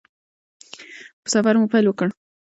په سفر مو پیل وکړ.